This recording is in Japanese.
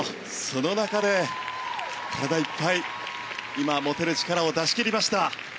その中で体いっぱい今、持てる力を出しきりました。